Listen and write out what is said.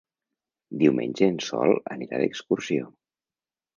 Diumenge en Sol anirà d'excursió.